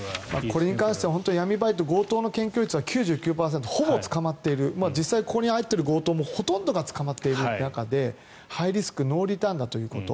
これに関しては闇バイト、強盗の検挙率は９９％ほぼ捕まっている実際、ここに入っている強盗もほとんどが捕まってる中でハイリスク・ノーリターンだということ。